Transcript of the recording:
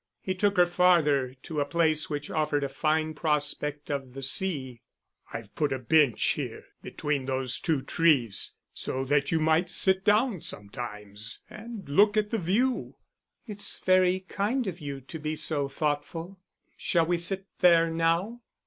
He took her farther, to a place which offered a fine prospect of the sea. "I've put a bench here, between those two trees, so that you might sit down sometimes, and look at the view." "It's very kind of you to be so thoughtful. Shall we sit there now?"